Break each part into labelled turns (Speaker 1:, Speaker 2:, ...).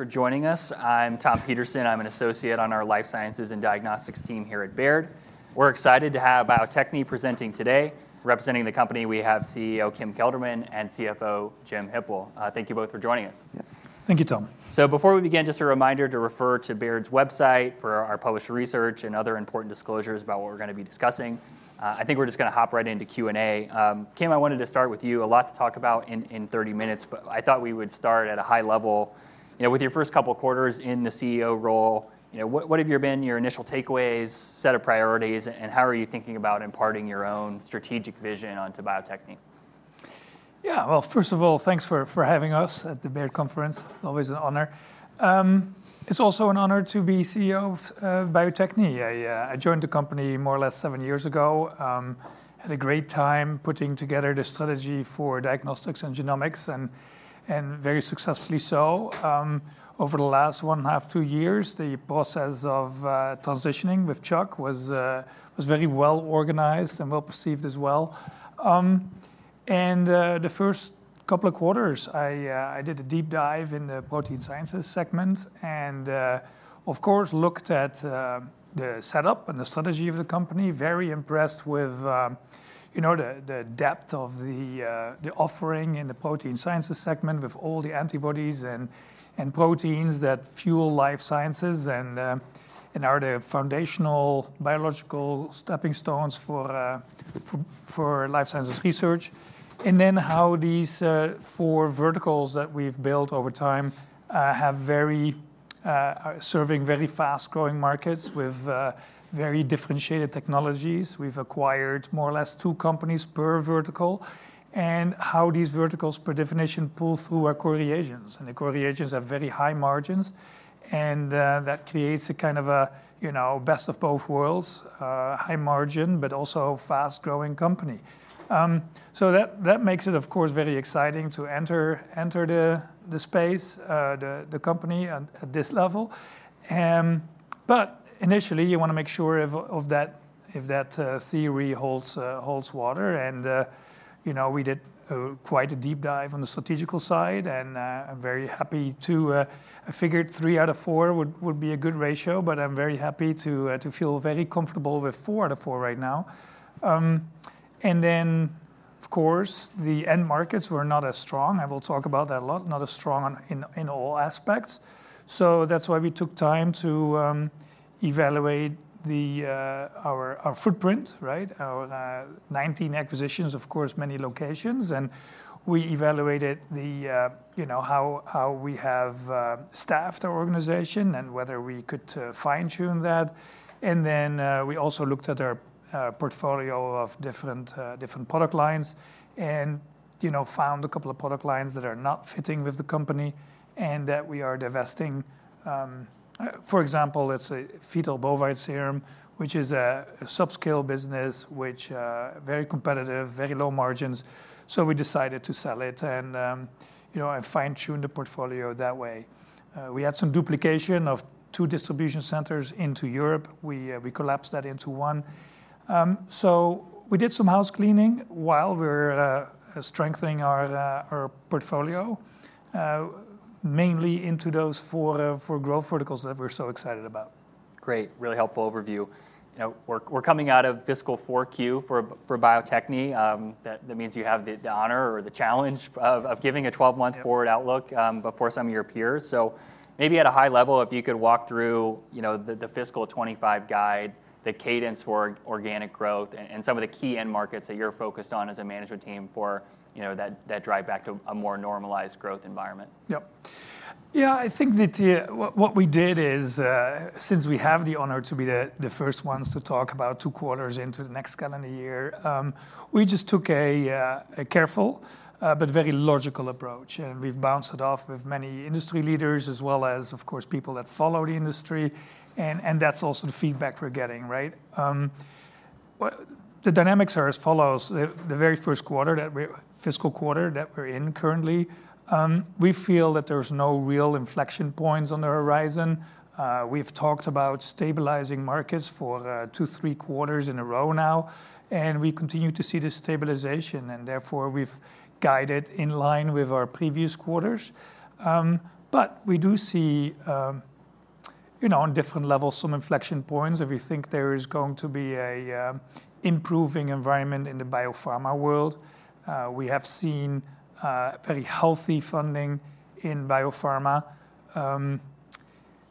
Speaker 1: Thank you for joining us. I'm Tom Peterson. I'm an associate on our life sciences and diagnostics team here at Baird. We're excited to have Bio-Techne presenting today. Representing the company, we have CEO Kim Kelderman and CFO Jim Hipple. Thank you both for joining us.
Speaker 2: Yeah. Thank you, Tom.
Speaker 1: So before we begin, just a reminder to refer to Baird's website for our published research and other important disclosures about what we're gonna be discussing. I think we're just gonna hop right into Q&A. Kim, I wanted to start with you. A lot to talk about in 30 minutes, but I thought we would start at a high level. You know, with your first couple quarters in the CEO role, you know, what, what have been your initial takeaways, set of priorities, and how are you thinking about imparting your own strategic vision onto Bio-Techne?
Speaker 2: Yeah. Well, first of all, thanks for having us at the Baird Conference. It's always an honor. It's also an honor to be CEO of Bio-Techne. I joined the company more or less seven years ago. Had a great time putting together the strategy for diagnostics and genomics, and very successfully so. Over the last one and a half, two years, the process of transitioning with Chuck was very well-organized and well-perceived as well. The first couple of quarters, I did a deep dive in the protein sciences segment, and of course, looked at the setup and the strategy of the company. Very impressed with, you know, the depth of the offering in the protein sciences segment, with all the antibodies and proteins that fuel life sciences, and are the foundational biological stepping stones for life sciences research, and then how these four verticals that we've built over time are serving very fast-growing markets with very differentiated technologies. We've acquired more or less two companies per vertical, and how these verticals, per definition, pull through our core reagents, and the core reagents have very high margins, and that creates a kind of a, you know, best of both worlds, high margin, but also fast-growing company, so that makes it, of course, very exciting to enter the space, the company at this level. But initially, you wanna make sure that theory holds water, and you know, we did quite a deep dive on the strategic side, and I'm very happy to. I figured three out of four would be a good ratio, but I'm very happy to feel very comfortable with four out of four right now, and then, of course, the end markets were not as strong, and we'll talk about that a lot. Not as strong in all aspects, so that's why we took time to evaluate our footprint, right? Our 19 acquisitions, of course, many locations, and we evaluated you know, how we have staffed our organization and whether we could fine-tune that. And then, we also looked at our portfolio of different product lines and, you know, found a couple of product lines that are not fitting with the company and that we are divesting. For example, let's say, fetal bovine serum, which is a subscale business, which very competitive, very low margins, so we decided to sell it and, you know, and fine-tune the portfolio that way. We had some duplication of two distribution centers into Europe. We collapsed that into one. So we did some housecleaning while we're strengthening our portfolio, mainly into those four growth verticals that we're so excited about.
Speaker 1: Great. Really helpful overview. You know, we're coming out of fiscal fourth quarter for Bio-Techne. That means you have the honor or the challenge of giving a twelve-month forward outlook before some of your peers. So maybe at a high level, if you could walk through, you know, the fiscal 2025 guide, the cadence for organic growth, and some of the key end markets that you're focused on as a management team for, you know, that drive back to a more normalized growth environment.
Speaker 2: Yep. Yeah, I think that what we did is, since we have the honor to be the first ones to talk about two quarters into the next calendar year, we just took a careful, but very logical approach, and we've bounced it off with many industry leaders, as well as, of course, people that follow the industry. And that's also the feedback we're getting, right? Well, the dynamics are as follows: the very first fiscal quarter that we're in currently, we feel that there's no real inflection points on the horizon. We've talked about stabilizing markets for two, three quarters in a row now, and we continue to see the stabilization, and therefore, we've guided in line with our previous quarters. But we do see, you know, on different levels, some inflection points, and we think there is going to be a improving environment in the biopharma world. We have seen very healthy funding in biopharma,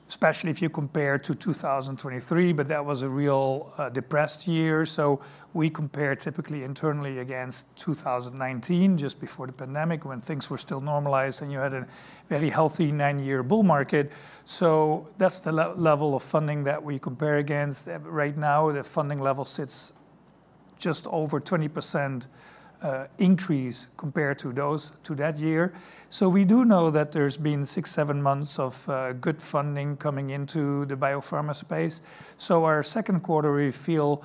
Speaker 2: especially if you compare to 2023, but that was a real depressed year. So we compare typically internally against 2019, just before the pandemic, when things were still normalized, and you had a very healthy nine-year bull market. So that's the level of funding that we compare against. Right now, the funding level sits just over 20% increase compared to that year. So we do know that there's been six, seven months of good funding coming into the biopharma space. So our second quarter, we feel,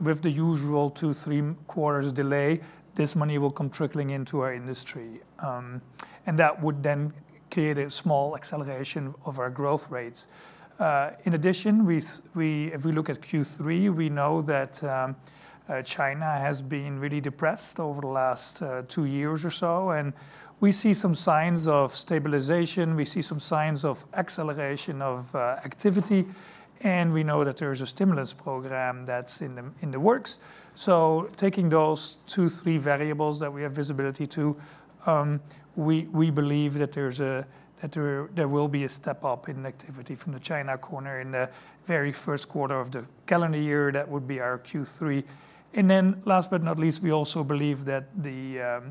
Speaker 2: with the usual two, three quarters delay, this money will come trickling into our industry. And that would create a small acceleration of our growth rates. In addition, if we look at Q3, we know that China has been really depressed over the last two years or so, and we see some signs of stabilization, we see some signs of acceleration of activity, and we know that there is a stimulus program that's in the works. So taking those two, three variables that we have visibility to, we believe that there will be a step up in activity from the China corner in the very first quarter of the calendar year. That would be our Q3. And then, last but not least, we also believe that the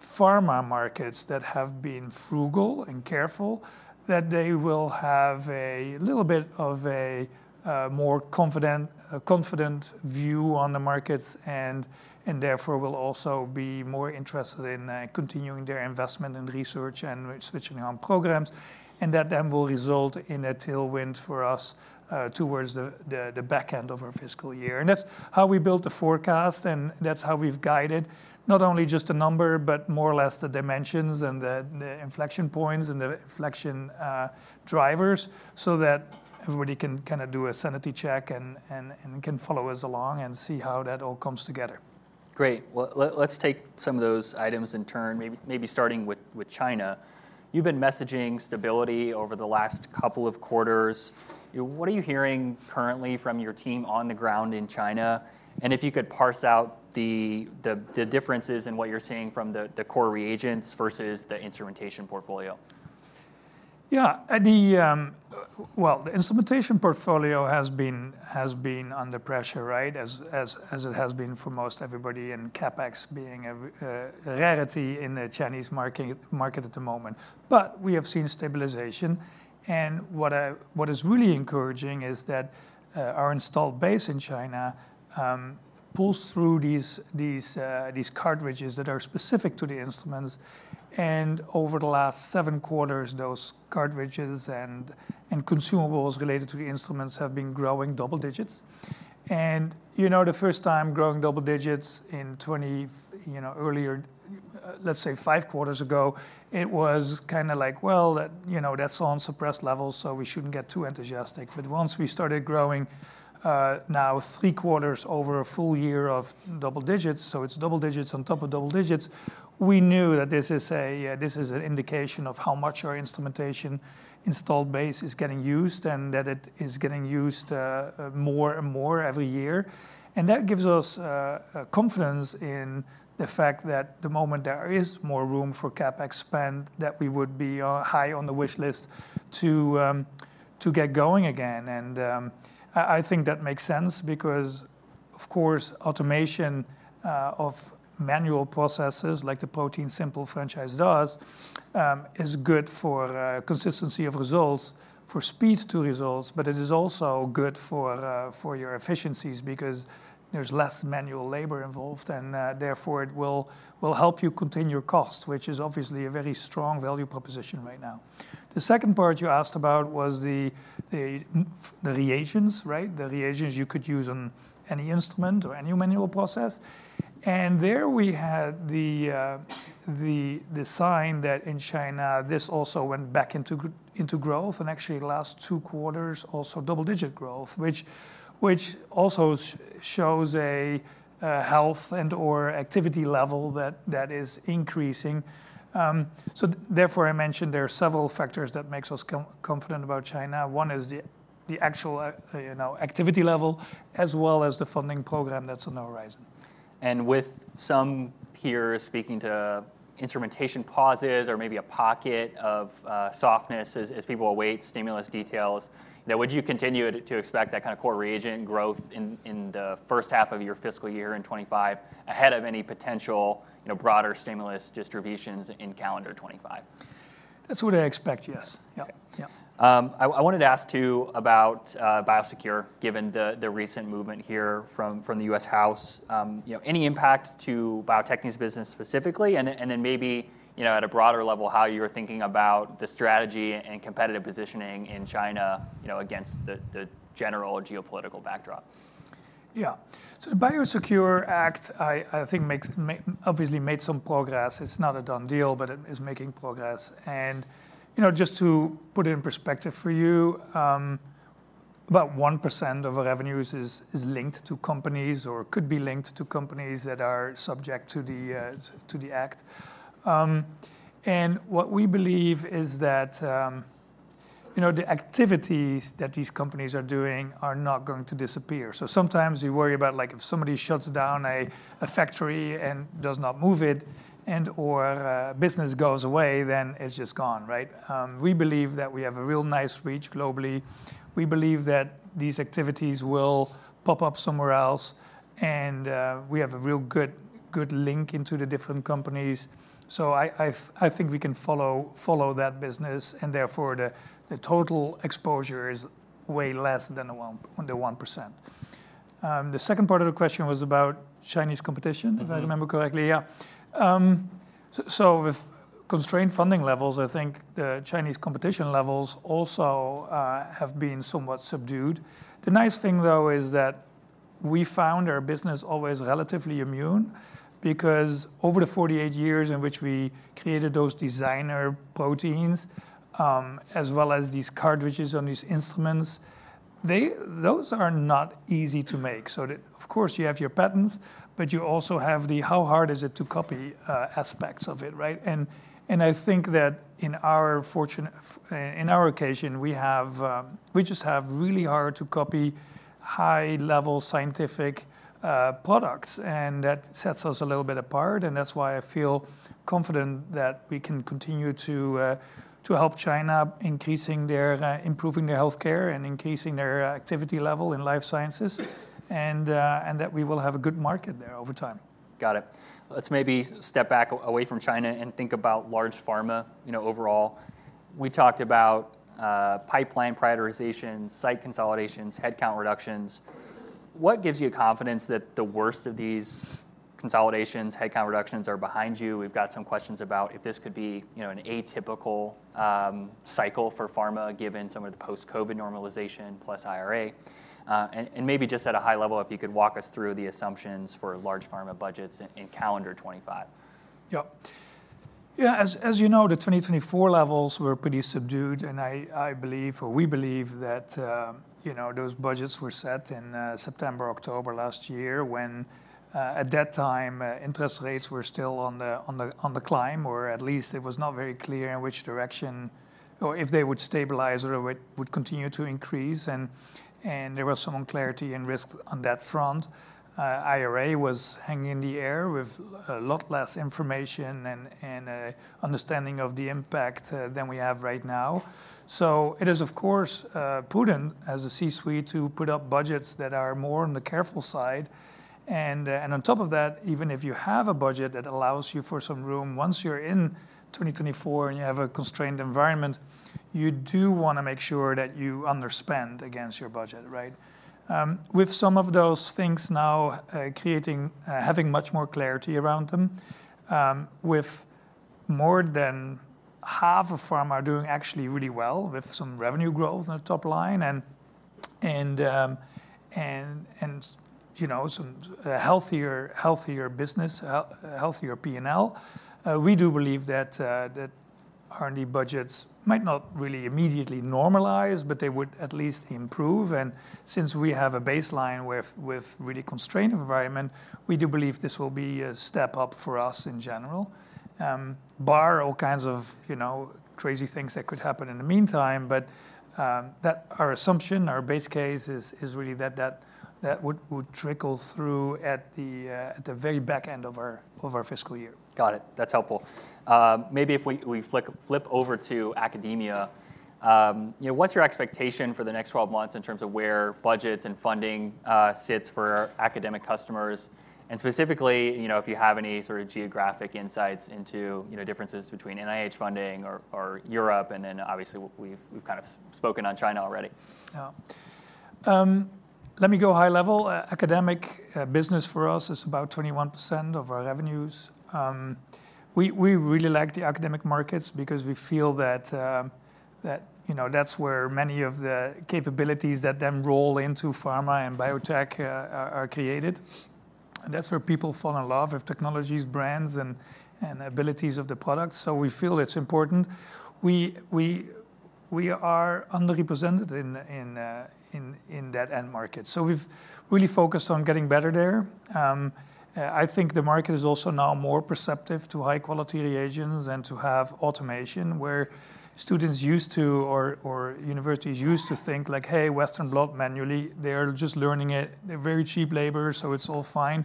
Speaker 2: pharma markets that have been frugal and careful, that they will have a little bit of a more confident view on the markets and therefore will also be more interested in continuing their investment in research and switching on programs, and that then will result in a tailwind for us towards the back end of our fiscal year. And that's how we built the forecast, and that's how we've guided, not only just the number, but more or less the dimensions and the inflection points and the inflection drivers, so that everybody can kind of do a sanity check and can follow us along and see how that all comes together.
Speaker 1: Great. Well, let's take some of those items in turn, maybe starting with China. You've been messaging stability over the last couple of quarters. What are you hearing currently from your team on the ground in China? And if you could parse out the differences in what you're seeing from the core reagents versus the instrumentation portfolio.
Speaker 2: Yeah. Well, the instrumentation portfolio has been under pressure, right? As it has been for most everybody, and CapEx being a rarity in the Chinese market at the moment. But we have seen stabilization, and what is really encouraging is that our installed base in China pulls through these cartridges that are specific to the instruments, and over the last seven quarters, those cartridges and consumables related to the instruments have been growing double digits, and you know, the first time growing double digits in twenty, you know, earlier, let's say five quarters ago, it was kind of like, well, that, you know, that's on suppressed levels, so we shouldn't get too enthusiastic. But once we started growing, now three quarters over a full year of double digits, so it's double digits on top of double digits, we knew that this is an indication of how much our instrumentation installed base is getting used, and that it is getting used, more and more every year. And that gives us confidence in the fact that the moment there is more room for CapEx spend, that we would be high on the wish list to get going again. I think that makes sense because, of course, automation of manual processes, like the ProteinSimple franchise does, is good for consistency of results, for speed to results, but it is also good for your efficiencies because there's less manual labor involved, and therefore it will help you contain your cost, which is obviously a very strong value proposition right now. The second part you asked about was the reagents, right? The reagents you could use on any instrument or any manual process. There we had the sign that in China, this also went back into growth, and actually the last two quarters, also double-digit growth, which also shows a health and/or activity level that is increasing. So therefore, I mentioned there are several factors that makes us confident about China. One is the actual, you know, activity level, as well as the funding program that's on the horizon.
Speaker 1: With some peers speaking to instrumentation pauses or maybe a pocket of softness as people await stimulus details, now, would you continue to expect that kind of core reagent growth in the first half of your fiscal year in 2025, ahead of any potential, you know, broader stimulus distributions in calendar 2025?
Speaker 2: That's what I expect, yes. Yep,.
Speaker 1: I wanted to ask, too, about BioSecure, given the recent movement here from the U.S. House. You know, any impact to Bio-Techne's business specifically? And then maybe, you know, at a broader level, how you're thinking about the strategy and competitive positioning in China, you know, against the general geopolitical backdrop?
Speaker 2: Yeah. So the BioSecure Act, I think, obviously made some progress. It's not a done deal, but it is making progress. And, you know, just to put it in perspective for you, about 1% of our revenues is linked to companies or could be linked to companies that are subject to the act. And what we believe is that, you know, the activities that these companies are doing are not going to disappear. So sometimes you worry about, like, if somebody shuts down a factory and does not move it, and/or, business goes away, then it's just gone, right? We believe that we have a real nice reach globally. We believe that these activities will pop up somewhere else, and we have a real good link into the different companies. So I think we can follow that business, and therefore, the total exposure is way less than the 1%. The second part of the question was about Chinese competition if I remember correctly? Yeah. So with constrained funding levels, I think the Chinese competition levels also have been somewhat subdued. The nice thing, though, is that we found our business always relatively immune, because over the 48 years in which we created those designer proteins, as well as these cartridges on these instruments, those are not easy to make. So, of course, you have your patents, but you also have the, how hard is it to copy aspects of it, right? And I think that in our situation, we have really hard-to-copy, high-level scientific products, and that sets us a little bit apart, and that's why I feel confident that we can continue to help China improving their healthcare and increasing their activity level in life sciences, and that we will have a good market there over time.
Speaker 1: Got it. Let's maybe step back away from China and think about large pharma, you know, overall. We talked about pipeline prioritizations, site consolidations, headcount reductions. What gives you confidence that the worst of these consolidations, headcount reductions, are behind you? We've got some questions about if this could be, you know, an atypical cycle for pharma, given some of the post-COVID normalization plus IRA. And maybe just at a high level, if you could walk us through the assumptions for large pharma budgets in calendar 2025.
Speaker 2: Yep. Yeah, as you know, the 2024 levels were pretty subdued, and I believe, or we believe, that, you know, those budgets were set in September, October last year, when, at that time, interest rates were still on the climb, or at least it was not very clear in which direction, or if they would stabilize or would continue to increase, and there was some unclarity and risk on that front. IRA was hanging in the air with a lot less information and, understanding of the impact, than we have right now. So it is, of course, prudent as a C-suite to put up budgets that are more on the careful side. On top of that, even if you have a budget that allows you for some room, once you're in 2024 and you have a constrained environment, you do want to make sure that you underspend against your budget, right? With some of those things now having much more clarity around them, with more than half of pharma doing actually really well, with some revenue growth on the top line, and you know, some healthier business, healthier P&L. We do believe that R&D budgets might not really immediately normalize, but they would at least improve. Since we have a baseline with a really constrained environment, we do believe this will be a step up for us in general, barring all kinds of, you know, crazy things that could happen in the meantime. Our assumption, our base case is really that that would trickle through at the very back end of our fiscal year.
Speaker 1: Got it. That's helpful. Maybe if we flip over to academia, you know, what's your expectation for the next 12 months in terms of where budgets and funding sits for academic customers? And specifically, you know, if you have any sort of geographic insights into, you know, differences between NIH funding or Europe, and then obviously, we've kind of spoken on China already.
Speaker 2: Yeah. Let me go high level. Academic business for us is about 21% of our revenues. We really like the academic markets because we feel that, you know, that's where many of the capabilities that then roll into pharma and biotech are created, and that's where people fall in love with technologies, brands, and abilities of the product, so we feel it's important. We are underrepresented in that end market, so we've really focused on getting better there. I think the market is also now more perceptive to high-quality reagents and to have automation, where students used to or universities used to think like: "Hey, Western blot manually, they are just learning it. They're very cheap labor, so it's all fine.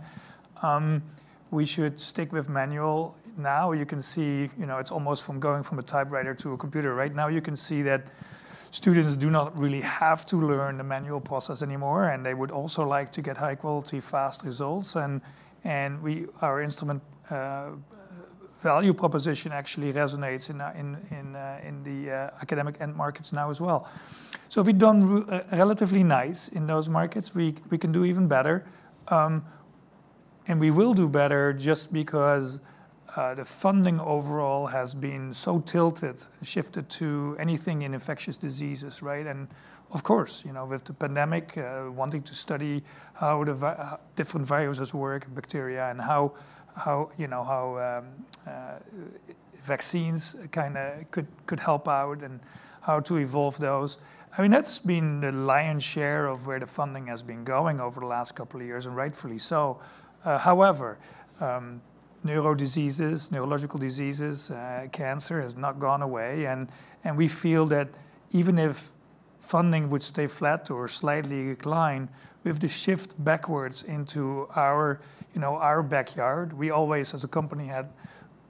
Speaker 2: We should stick with manual. Now, you can see, you know, it's almost from going from a typewriter to a computer. Right now, you can see that students do not really have to learn the manual process anymore, and they would also like to get high quality, fast results, and our instrument value proposition actually resonates in the academic end markets now as well. So we've done relatively nice in those markets. We can do even better, and we will do better just because the funding overall has been so tilted, shifted to anything in infectious diseases, right? And of course, you know, with the pandemic, wanting to study how the different viruses work, bacteria, and how you know how vaccines kinda could help out and how to evolve those, I mean, that's been the lion's share of where the funding has been going over the last couple of years, and rightfully so. However, neuro diseases, neurological diseases, cancer has not gone away, and we feel that even if funding would stay flat or slightly decline, we have to shift backwards into our you know our backyard. We always, as a company, had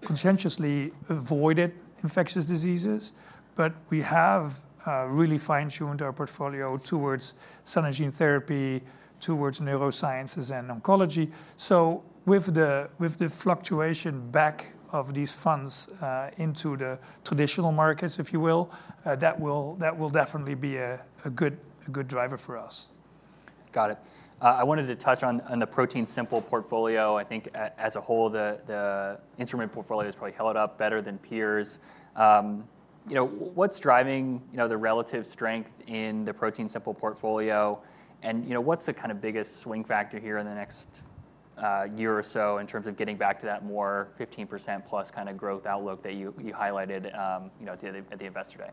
Speaker 2: conscientiously avoided infectious diseases, but we have really fine-tuned our portfolio towards some gene therapy, towards neurosciences and oncology. With the fluctuation back of these funds into the traditional markets, if you will, that will definitely be a good driver for us.
Speaker 1: Got it. I wanted to touch on the ProteinSimple portfolio. I think as a whole, the instrument portfolio has probably held up better than peers. You know, what's driving the relative strength in the ProteinSimple portfolio? And, you know, what's the kind of biggest swing factor here in the next year or so in terms of getting back to that more 15%+ kind of growth outlook that you highlighted, you know, at the Investor Day?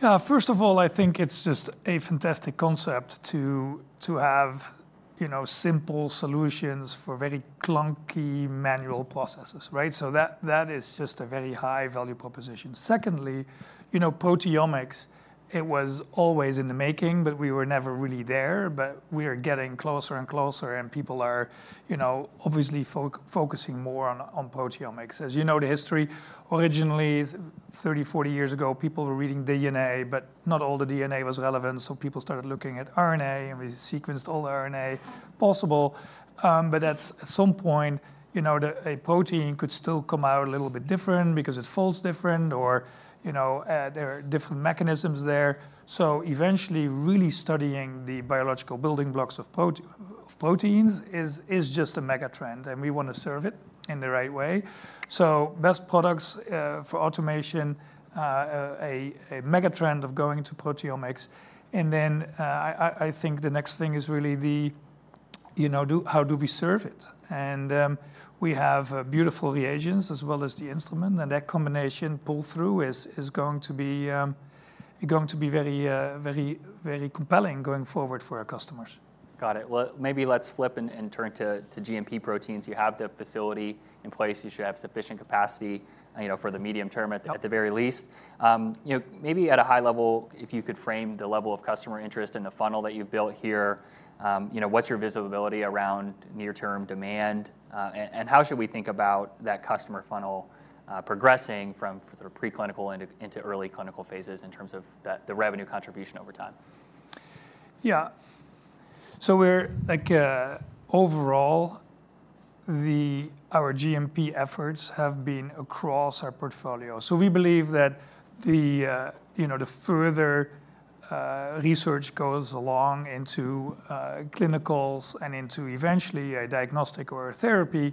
Speaker 2: Yeah. First of all, I think it's just a fantastic concept to have, you know, simple solutions for very clunky manual processes, right? So that is just a very high value proposition. Secondly, you know, proteomics. It was always in the making, but we were never really there, but we are getting closer and closer, and people are, you know, obviously focusing more on proteomics. As you know, the history. Originally, 30, 40 years ago, people were reading DNA, but not all the DNA was relevant, so people started looking at RNA, and we sequenced all the RNA possible. But at some point, you know, a protein could still come out a little bit different because it folds different or, you know, there are different mechanisms there. So eventually, really studying the biological building blocks of proteins is just a mega trend, and we want to serve it in the right way. So best products for automation, a mega trend of going to proteomics. And then, I think the next thing is really, you know, how do we serve it? And we have beautiful reagents as well as the instrument, and that combination pull-through is going to be very, very compelling going forward for our customers.
Speaker 1: Got it. Well, maybe let's flip and turn to GMP proteins. You have the facility in place. You should have sufficient capacity, you know, for the medium term at the very least. You know, maybe at a high level, if you could frame the level of customer interest in the funnel that you've built here, you know, what's your visibility around near-term demand? And how should we think about that customer funnel, progressing from sort of preclinical into early clinical phases in terms of the revenue contribution over time?
Speaker 2: Yeah. So we're like, overall, our GMP efforts have been across our portfolio. So we believe that the, you know, the further, research goes along into, clinicals and into eventually a diagnostic or a therapy,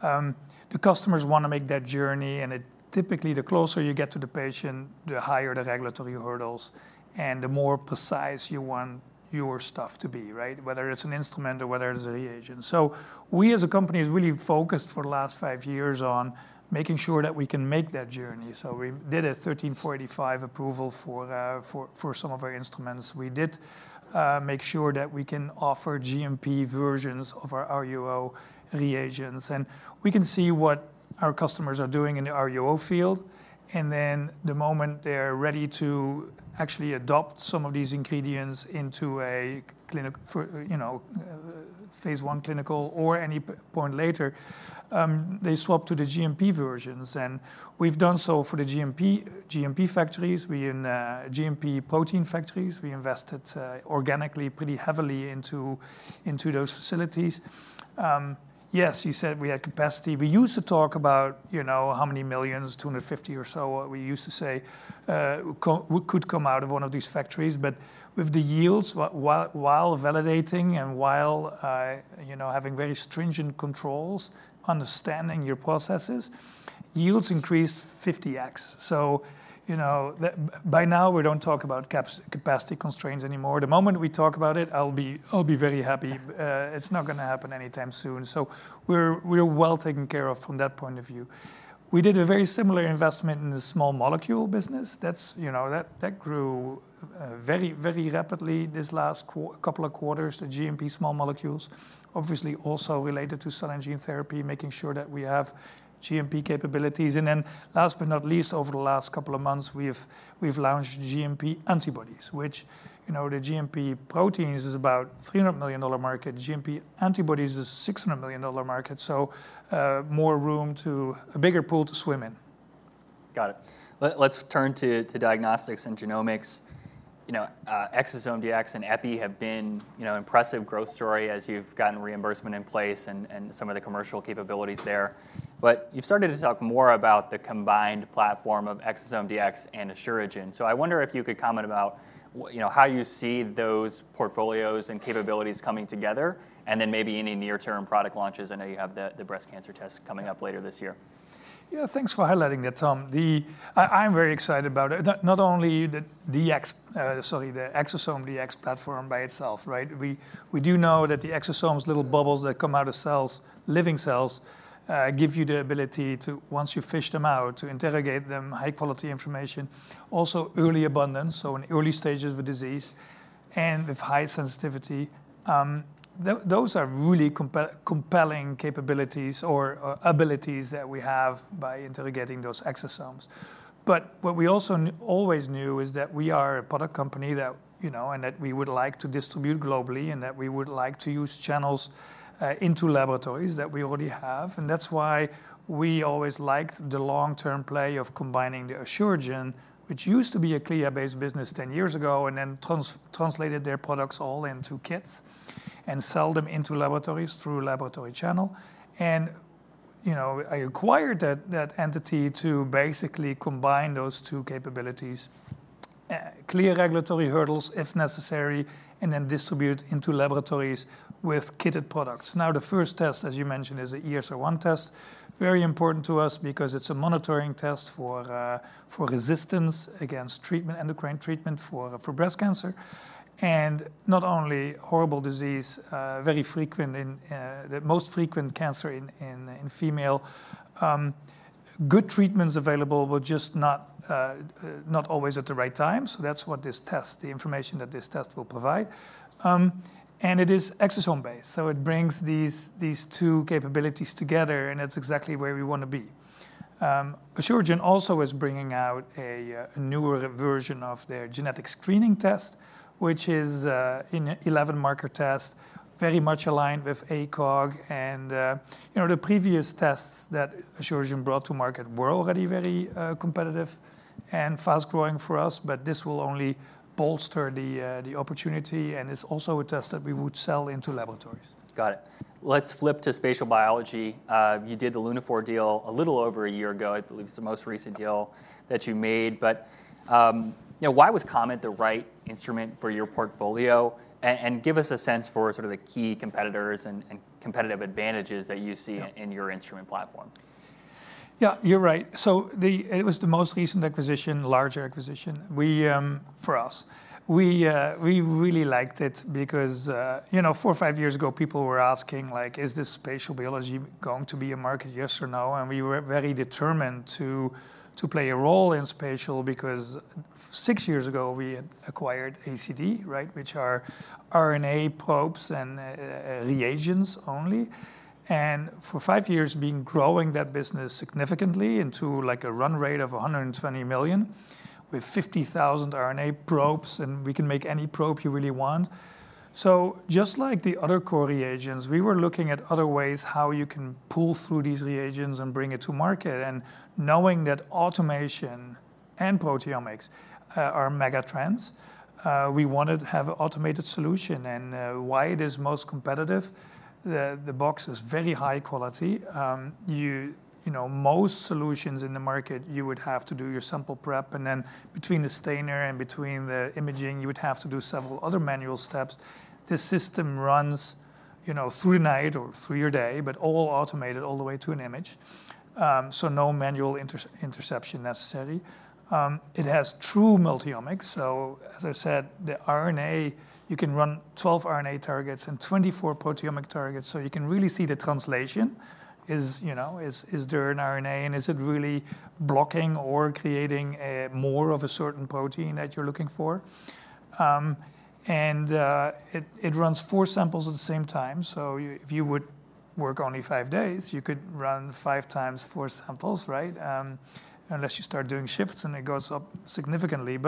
Speaker 2: the customers want to make that journey, and typically, the closer you get to the patient, the higher the regulatory hurdles and the more precise you want your stuff to be, right? Whether it's an instrument or whether it's a reagent. So we as a company has really focused for the last five years on making sure that we can make that journey. So we did a 1345 approval for some of our instruments. We did make sure that we can offer GMP versions of our RUO reagents, and we can see what our customers are doing in the RUO field. And then, the moment they're ready to actually adopt some of these ingredients into a clinic for, you know, phase one clinical or any point later, they swap to the GMP versions, and we've done so for the GMP factories. We in GMP protein factories, we invested organically pretty heavily into those facilities. Yes, you said we had capacity. We used to talk about, you know, how many millions, two hundred and fifty or so, we used to say could come out of one of these factories. But with the yields, while validating and while you know having very stringent controls, understanding your processes, yields increased 50x. So, you know, by now, we don't talk about capacity constraints anymore. The moment we talk about it, I'll be very happy. It's not gonna happen anytime soon, so we're well taken care of from that point of view. We did a very similar investment in the small molecule business. That's, you know, that grew very rapidly this last couple of quarters, the GMP small molecules, obviously also related to cell and gene therapy, making sure that we have GMP capabilities. And then, last but not least, over the last couple of months, we've launched GMP antibodies, which, you know, the GMP proteins is about $300 million market. GMP antibodies is $600 million market, so more room to a bigger pool to swim in.
Speaker 1: Got it. Let's turn to diagnostics and genomics. You know, Exosome Dx and Asuragen have been, you know, impressive growth story as you've gotten reimbursement in place and some of the commercial capabilities there. But you've started to talk more about the combined platform of Exosome Dx and Asuragen. So I wonder if you could comment about, you know, how you see those portfolios and capabilities coming together, and then maybe any near-term product launches. I know you have the breast cancer test coming up later this year.
Speaker 2: Yeah, thanks for highlighting that, Tom. I'm very excited about it. Not, not only the Dx, sorry, the Exosome Dx platform by itself, right? We, we do know that the exosomes little bubbles that come out of cells, living cells, give you the ability to, once you fish them out, to interrogate them, high quality information, also early abundance, so in early stages of a disease and with high sensitivity. Those are really compelling capabilities or, or abilities that we have by interrogating those exosomes. But what we also always knew is that we are a product company that, you know, and that we would like to distribute globally, and that we would like to use channels into laboratories that we already have. That's why we always liked the long-term play of combining the Asuragen, which used to be a CLIA-based business ten years ago, and then translated their products all into kits and sell them into laboratories through a laboratory channel. You know, I acquired that entity to basically combine those two capabilities, clear regulatory hurdles if necessary, and then distribute into laboratories with kitted products. Now, the first test, as you mentioned, is a ESR1 test. Very important to us because it's a monitoring test for resistance against treatment, endocrine treatment for breast cancer. It's not only a horrible disease, very frequent in the most frequent cancer in females. Good treatments available, but just not always at the right time. That's what this test, the information that this test will provide. And it is exosome-based, so it brings these two capabilities together, and that's exactly where we wanna be. Asuragen also is bringing out a newer version of their genetic screening test, which is an 11-marker test, very much aligned with ACOG. You know, the previous tests that Asuragen brought to market were already very competitive and fast-growing for us, but this will only bolster the opportunity, and it's also a test that we would sell into laboratories.
Speaker 1: Got it. Let's flip to spatial biology. You did the Lunaphore deal a little over a year ago. I believe it's the most recent deal that you made, but, you know, why was COMET the right instrument for your portfolio? And give us a sense for sort of the key competitors and competitive advantages that you see in your instrument platform.
Speaker 2: Yeah, you're right. So it was the most recent acquisition, larger acquisition. For us, we really liked it because, you know, four or five years ago, people were asking, like: "Is this spatial biology going to be a market, yes or no?" And we were very determined to play a role in spatial, because six years ago, we had acquired ACD, right? Which are RNA probes and reagents only. And for five years, been growing that business significantly into, like, a run rate of $120 million, with 50,000 RNA probes, and we can make any probe you really want. So just like the other core reagents, we were looking at other ways how you can pull through these reagents and bring it to market. Knowing that automation and proteomics are mega trends, we wanted to have an automated solution. And why it is most competitive, the box is very high quality. You know, most solutions in the market, you would have to do your sample prep, and then between the stainer and between the imaging, you would have to do several other manual steps. This system runs, you know, through night or through your day, but all automated, all the way to an image. So no manual intervention necessary. It has true multiomics. So as I said, the RNA, you can run 12 RNA targets and 24 proteomic targets, so you can really see the translation. Is, you know, is, is there an RNA, and is it really blocking or creating a more of a certain protein that you're looking for? It runs four samples at the same time. If you would work only five days, you could run five times four samples, right? Unless you start doing shifts, and it goes up significantly.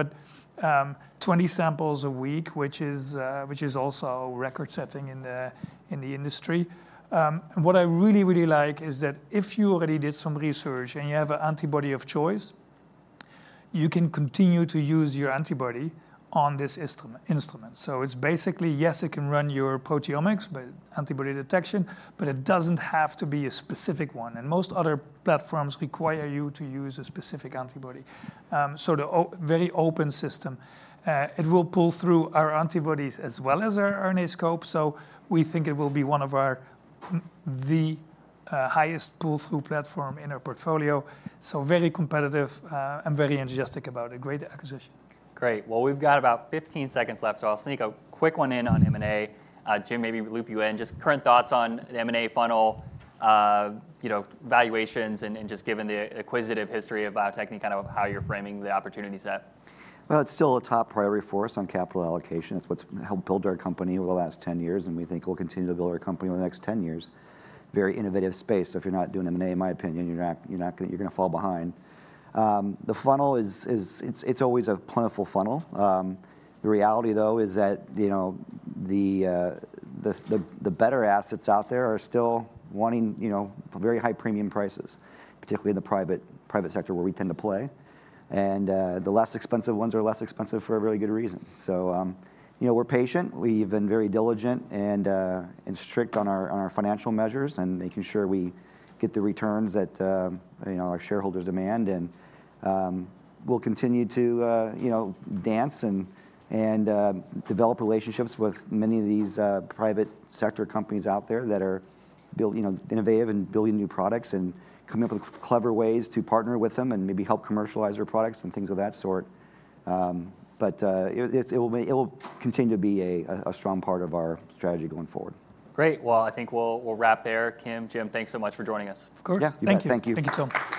Speaker 2: 20 samples a week, which is also record-setting in the industry. What I really, really like is that if you already did some research and you have an antibody of choice, you can continue to use your antibody on this instrument. It's basically, yes, it can run your proteomics by antibody detection, but it doesn't have to be a specific one, and most other platforms require you to use a specific antibody. The very open system. It will pull through our antibodies as well as our RNAscope, so we think it will be one of our... the highest pull-through platform in our portfolio, so very competitive. I'm very enthusiastic about it. Great acquisition.
Speaker 1: Great. Well, we've got about 15 seconds left, so I'll sneak a quick one in on M&A. Jim, maybe loop you in, just current thoughts on the M&A funnel, you know, valuations, and just given the acquisitive history of biotech and kind of how you're framing the opportunity set.
Speaker 3: It's still a top priority for us on capital allocation. It's what's helped build our company over the last ten years, and we think will continue to build our company over the next 10 years. Very innovative space, so if you're not doing M&A, in my opinion, you're gonna fall behind. The funnel is always a plentiful funnel. The reality, though, is that, you know, the better assets out there are still wanting, you know, very high premium prices, particularly in the private sector where we tend to play. The less expensive ones are less expensive for a very good reason. You know, we're patient. We've been very diligent and strict on our financial measures and making sure we get the returns that, you know, our shareholders demand, and we'll continue to, you know, dance and develop relationships with many of these private sector companies out there that are, you know, innovative and building new products, and coming up with clever ways to partner with them and maybe help commercialize their products and things of that sort, but it will continue to be a strong part of our strategy going forward.
Speaker 1: Great. Well, I think we'll wrap there. Kim, Jim, thanks so much for joining us.
Speaker 2: Of course.
Speaker 3: Yeah.
Speaker 2: Thank you.
Speaker 3: Thank you.
Speaker 2: Thank you so much.